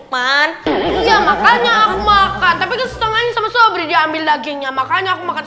man iya makanya aku makan tapi setengahnya sama sobrinya ambil dagingnya makanya aku